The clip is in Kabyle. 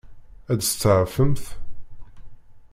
Ad t-tseɛfemt?